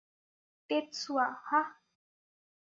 Tetsuya, হাহ?